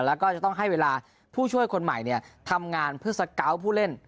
แล้วก็จะต้องให้เวลาผู้ช่วยคนใหม่ทำงานเพื่อสเกาะผู้เล่น